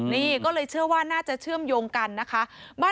นี่ก็เลยเชื่อว่าน่าจะเชื่อมโยงกันนะคะ